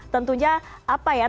tentunya kita akan menunggu